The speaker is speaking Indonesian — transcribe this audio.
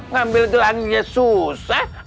ngambil gelanginya susah